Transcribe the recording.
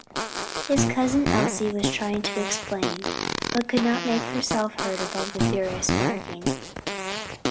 His cousin Elsie was trying to explain, but could not make herself heard above the furious barking.